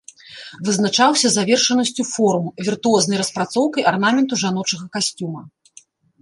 Вызначаўся завершанасцю форм, віртуознай распрацоўкай арнаменту жаночага касцюма.